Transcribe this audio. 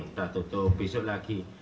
sudah tutup besok lagi